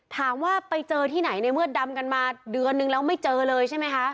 ถามว่าไปเจอที่ไหนในเมื่อดำกันมาเดือนนึงแล้วไม่เจอเลยใช่ไหมคะ